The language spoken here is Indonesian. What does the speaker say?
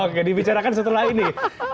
oke dibicarakan setelah ini